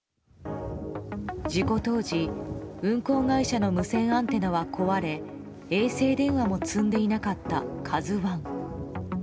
事故当時運航会社の無線アンテナは壊れ衛星電話も積んでいなかった「ＫＡＺＵ１」。